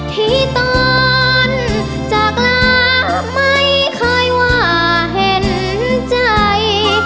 ที่ตอนจากลาไม่เคยว่าเห็นใจ